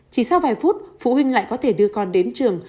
chỉ sau vài phút phụ huynh lại có thể đưa con đến trường